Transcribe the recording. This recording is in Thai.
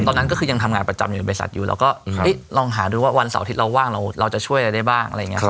ตอนนั้นก็คือยังทำงานประจำอยู่ในบริษัทอยู่เราก็ลองหาดูว่าวันเสาร์อาทิตย์เราว่างเราจะช่วยอะไรได้บ้างอะไรอย่างนี้